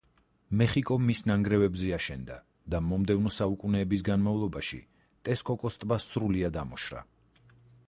მეხიკო მის ნანგრევებზე აშენდა, და მომდევნო საუკუნეების განმავლობაში ტესკოკოს ტბა სრულიად ამოშრა.